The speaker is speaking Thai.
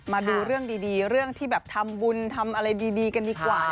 มาดูเรื่องดีเรื่องที่แบบทำบุญทำอะไรดีกันดีกว่า